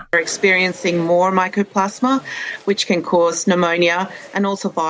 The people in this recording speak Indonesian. kami juga sering melihat asma yang menimbulkan asma